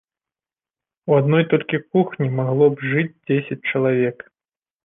У адной толькі кухні магло б жыць дзесяць чалавек.